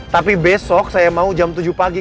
tapi besok saya mau jam tujuh pagi